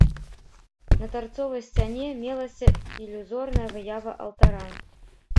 На тарцовай сцяне мелася ілюзорная выява алтара.